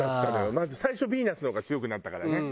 まず最初ヴィーナスの方が強くなったからね。